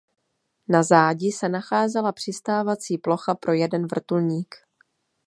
Na zádi se nacházela přistávací plocha pro jeden vrtulník.